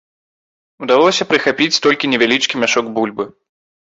Удалося прыхапіць толькі невялічкі мяшок бульбы.